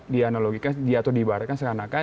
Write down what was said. dianalogikan atau diibarkan karena